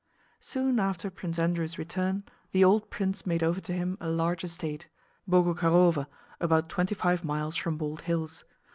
Soon after Prince Andrew's return the old prince made over to him a large estate, Boguchárovo, about twenty five miles from Bald Hills.